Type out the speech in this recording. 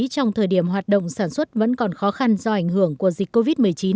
trong thời điểm hoạt động sản xuất vẫn còn khó khăn do ảnh hưởng của dịch covid một mươi chín